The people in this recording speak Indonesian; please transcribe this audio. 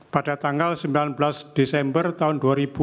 pada tanggal sembilan belas desember tahun dua ribu dua puluh